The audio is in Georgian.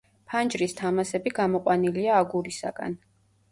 ფანჯრის თამასები გამოყვანილია აგურისაგან.